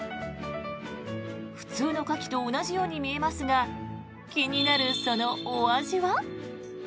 普通のカキと同じように見えますが気になるそのお味は？